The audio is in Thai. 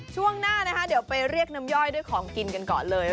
ช่วงหน้านะคะเดี๋ยวไปเรียกน้ำย่อยด้วยของกินกันก่อนเลย